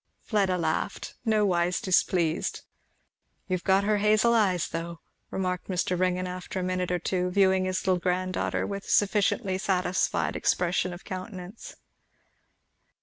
Fleda laughed, nowise displeased. "You've got her hazel eyes though," remarked Mr. Ringgan, after a minute or two, viewing his little granddaughter with a sufficiently satisfied expression of countenance.